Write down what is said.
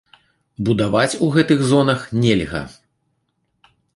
Будаваць у гэтых зонах нельга.